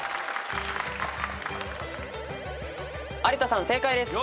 有田さん正解です。